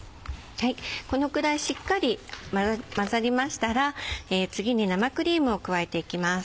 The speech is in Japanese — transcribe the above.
このくらいしっかり混ざりましたら次に生クリームを加えていきます。